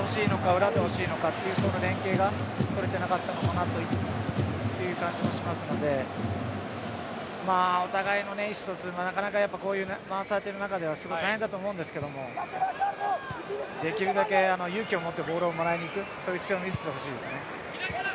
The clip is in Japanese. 裏にほしいのかという連係が取れてなかったのかなという感じがしますのでお互いの意思疎通もなかなか回されている中では大変だと思うんですけどできるだけ勇気をもってボールをもらいに行くそういう姿勢を見せてほしいですね。